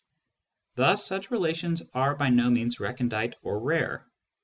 Thus such relations are by no means recondite or rare.